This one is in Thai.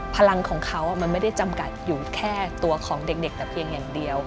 พลังของเขามันไม่ได้จำกัดอยู่แค่ตัวของเด็กแต่เพียงอย่างเดียว